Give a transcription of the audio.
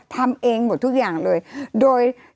ทำเองหมดทุกอย่างเลยโดย